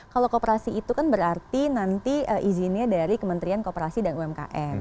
kalau kooperasi itu kan berarti nanti izinnya dari kementerian kooperasi dan umkm